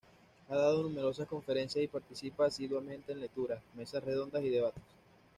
Ha dado numerosas conferencias y participa asiduamente en lecturas, mesas redondas y debates.